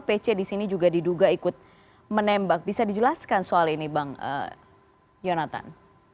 pc di sini juga diduga ikut menembak bisa dijelaskan soal ini bang yonatan